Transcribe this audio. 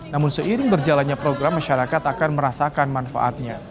namun seiring berjalannya program masyarakat akan merasakan manfaatnya